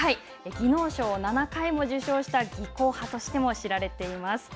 技能賞を７回も受賞した技巧派としても知られています。